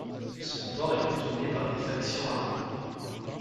Son port est contrôlé par des factions armées.